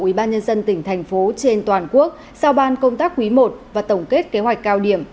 ubnd tỉnh thành phố trên toàn quốc sau ban công tác quý i và tổng kết kế hoạch cao điểm